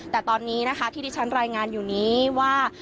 แต่ตอนนี้นะคะที่ที่ฉันรายงานอยู่นี้ว่า